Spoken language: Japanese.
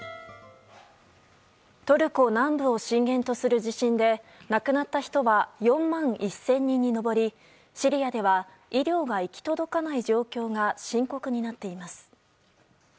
トルコ南部を震源とする地震で亡くなった人は４万１０００人に上りシリアでは医療が行き届かない状況が深刻になっています。